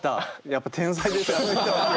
やっぱ天才ですあの人。